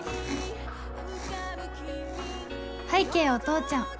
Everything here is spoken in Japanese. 拝啓お父ちゃん